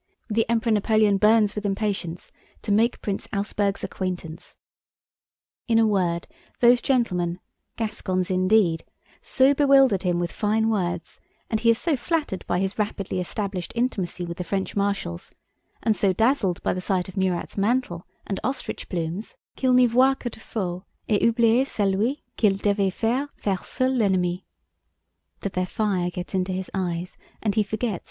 The Emperor Napoleon burns with impatience to make Prince Auersperg's acquaintance.' In a word, those gentlemen, Gascons indeed, so bewildered him with fine words, and he is so flattered by his rapidly established intimacy with the French marshals, and so dazzled by the sight of Murat's mantle and ostrich plumes, qu'il n'y voit que du feu, et oublie celui qu'il devait faire faire sur l'ennemi!"